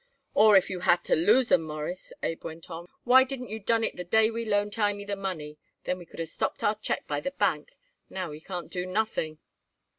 "Or if you had to lose 'em, Mawruss," Abe went on, "why didn't you done it the day we loaned Hymie the money? Then we could of stopped our check by the bank. Now we can do nothing."